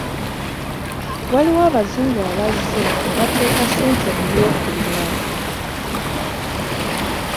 Waliwo abazungu abazze nebateeka ssente mu by'okulima.